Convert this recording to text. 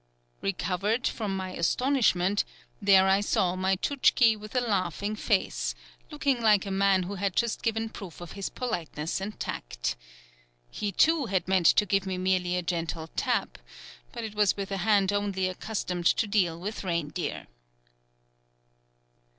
Recovered from my astonishment, there I saw my Tchouktchi with a laughing face, looking like a man who has just given proof of his politeness and tact. He too had meant to give me merely a gentle tap, but it was with a hand only accustomed to deal with reindeer."